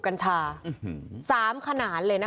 โดนฟันเละเลย